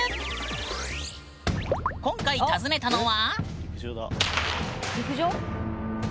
今回訪ねたのは。